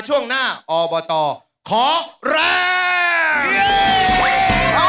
ช่วงหน้าอบตขอแรง